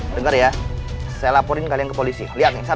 denger ya saya laporin kalian ke polisi lihat